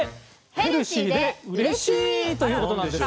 「ヘルシーでうれしい！」。ということなんですよ。